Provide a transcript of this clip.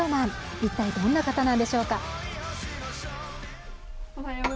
一体どんな方なんでしょうか。